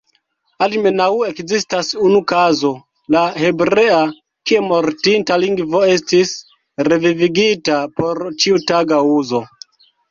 Almenaŭ ekzistas unu kazo, la hebrea, kie mortinta lingvo estis "revivigita" por ĉiutaga uzo.